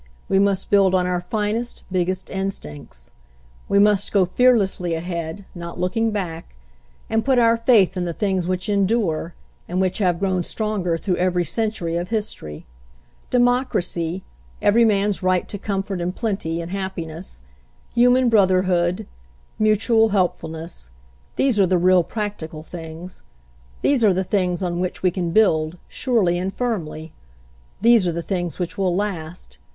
We must build on our finest, big gest instincts. We must go fearlessly ahead, not looking back, and put our faith in the things which endure, and which have grown stronger through every century of history. "Democracy, every man's right to comfort and plenty and happiness, human brotherhood, mu 184 HENRY FORD'S OWN STORY tual helpfulness — these are the real, practical things. These are the things on which we can build, surely and firmly. These are the things which will last.